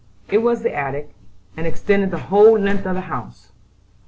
It was the attic, and extended the whole length of the house.